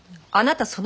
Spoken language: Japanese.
あなた